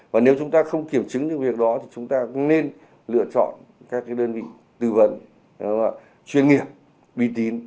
và nếu chúng ta không kiểm chứng những việc đó thì chúng ta nên lựa chọn các đơn vị tư vận chuyên nghiệp bi tín